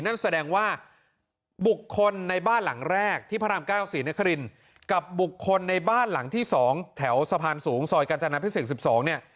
นั่นแสดงว่าบุคคลในบ้านหลังแรกที่พระราม๙ศรีนครินกับบุคคลในบ้านหลังที่๒แถวสะพานสูงซอยกาญจนาพิเศษ๑๒เนี่ย